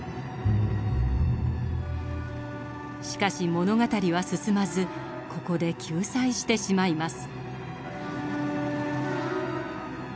しかし物語は進まずここで休載してしまいます。